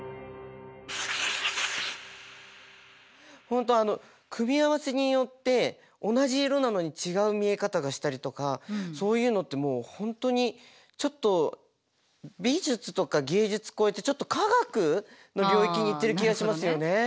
本当あの組み合わせによって同じ色なのに違う見え方がしたりとかそういうのってもう本当にちょっと美術とか芸術超えてちょっと科学の領域にいってる気がしますよね。